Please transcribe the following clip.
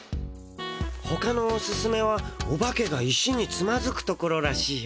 ほかのオススメはオバケが石につまずくところらしいよ。